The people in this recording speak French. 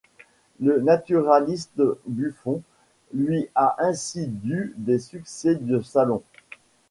Le naturaliste Buffon lui a ainsi dû des succès de salon.